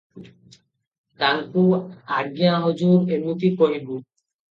ତାଙ୍କୁ, ଆଜ୍ଞା, ହଜୁର, ଏମିତି କହିବୁ ।